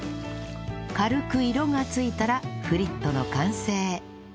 軽く色が付いたらフリットの完成